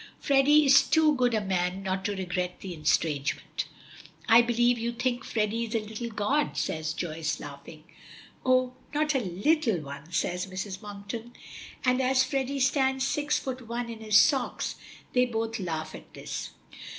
Freddy is too good a man not to regret the estrangement." "I believe you think Freddy is a little god!" says Joyce laughing. "O! not a little one," says Mrs. Monkton, and as Freddy stands six foot one in his socks, they both laugh at this.